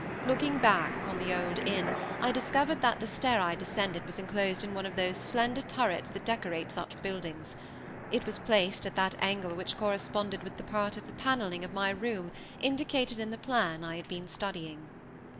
Looking back upon the old inn I discovered that the stair I descended was enclosed in one of those slender turrets that decorate such buildings. It was placed at that angle which corresponded with the part of the paneling of my room indicated in the plan I had been studying.